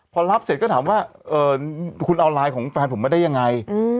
พอรับเสร็จก็ถามว่าคุณเอาไลน์ของแฟนผมมาได้ยังไง